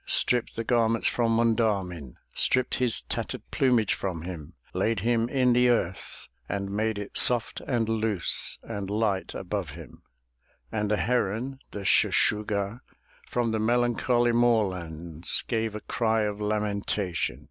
Stripped the garments from Monda'min, Stripped his tattered plumage from him, Laid him in the earth, and made it Soft and loose and light above him; And the heron, the Shuh shuh'gah, From the melancholy moorlands, Gave a cry of lamentation.